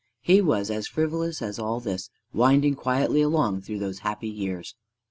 He was as frivolous as all this, winding quietly along through those happy years.